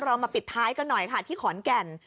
เรามาปิดท้ายกันหน่อยค่ะที่ขอนแก่น